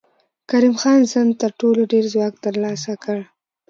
کریم خان زند تر ټولو ډېر ځواک تر لاسه کړ.